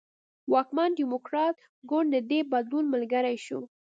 واکمن ډیموکراټ ګوند د دې بدلون ملګری شو.